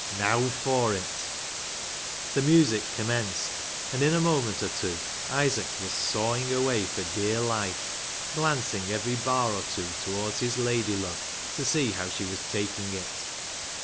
Now for it ! The music commenced, and in a moment or two Isaac was sawing away for dear life, glancing every bar or two towards his lady love to see how she was taking it.